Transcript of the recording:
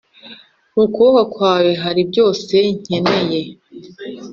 Mukuboko kwawe hari byose nkenera